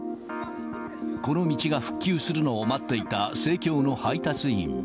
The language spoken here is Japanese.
この道が復旧するのを待っていた生協の配達員。